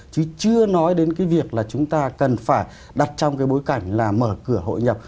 chứ chưa nói đến cái việc là chúng ta cần phải đặt trong cái bối cảnh là mở cửa hội nhập